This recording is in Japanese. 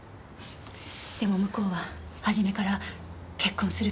でも向こうは初めから結婚する気など。